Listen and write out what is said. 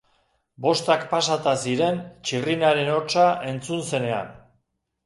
Bostak pasata ziren txirrinaren hotsa entzun zenean.